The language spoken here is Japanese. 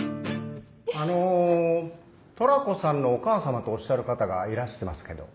あのトラコさんのお母様とおっしゃる方がいらしてますけど。